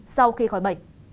sau khi khỏi bệnh